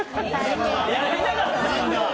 やりたかったんだ？